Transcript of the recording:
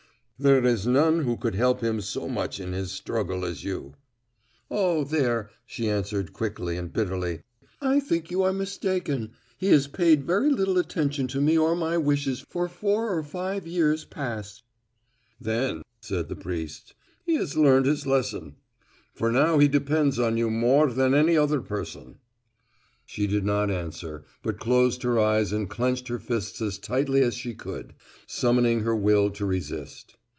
"There is none who could help him so much in his struggle as you." "Oh, there," she answered quickly and bitterly, "I think you are mistaken. He has paid very little attention to me or my wishes for four or five years past." "Then," said the priest, "he has learned his lesson, for now he depends on you more than on any other person." She did not answer, but closed her eyes and clenched her fists as tightly as she could, summoning her will to resist.